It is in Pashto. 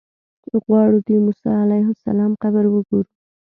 غواړو د موسی علیه السلام قبر وګورو.